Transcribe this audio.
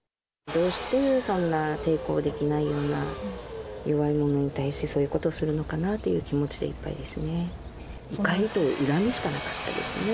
どうしてそんな抵抗できないような弱いものに対して、そういうことをするのかなという気持ちでいっぱいですね。